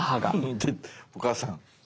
お母さん。